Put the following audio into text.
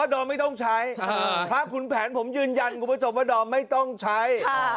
อ่อดอมไม่ต้องใช้อ่าพระขุนแผนผมยืนยันกว่าจบว่าดอมไม่ต้องใช้